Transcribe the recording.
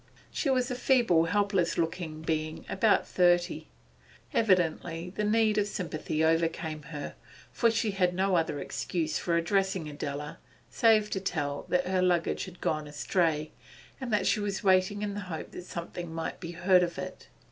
She was a feeble, helpless looking being of about thirty; evidently the need of sympathy overcame her, for she had no other excuse for addressing Adela save to tell that her luggage had gone astray, and that she was waiting in the hope that something might be heard of it.